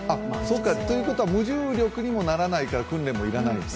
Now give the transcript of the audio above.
ということは無重力にもならないから訓練も要らないという。